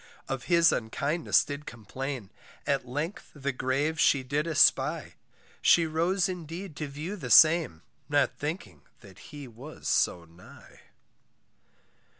Of his unkindness did complain; At length the grave she did espy, She rose indeed to view the same, Not thinking that he was so nigh.